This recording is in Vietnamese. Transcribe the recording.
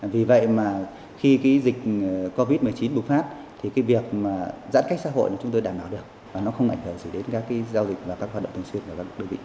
vì vậy mà khi cái dịch covid một mươi chín bùng phát thì cái việc mà giãn cách xã hội là chúng tôi đảm bảo được và nó không ảnh hưởng gì đến các cái giao dịch và các hoạt động thường xuyên của các đơn vị